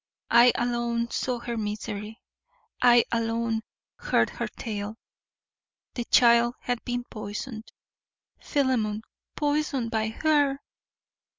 I alone saw her misery. I alone heard her tale. The child had been poisoned, Philemon, poisoned by her.